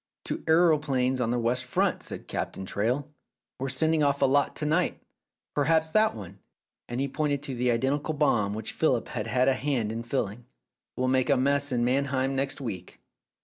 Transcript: "To aeroplanes on the west front," said kind Captain Traill. "We're sending off a lot to night. Perhaps that one "— and he pointed to the identical bomb which Philip had had a hand in filling — "will make a mess in Mannheim next week."